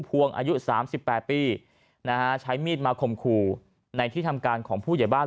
พวงอายุ๓๘ปีนะฮะใช้มีดมาข่มขู่ในที่ทำการของผู้ใหญ่บ้าน